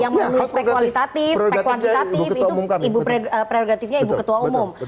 yang memiliki spek kualitatif spek kualitatif itu prerogatifnya ibu ketua umum